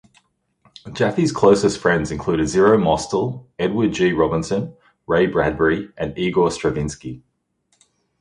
Jaffe's closest friends included Zero Mostel, Edward G. Robinson, Ray Bradbury, and Igor Stravinsky.